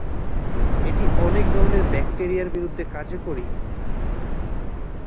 এটি অনেক ধরনের ব্যাকটেরিয়ার বিরুদ্ধে কার্যকরী।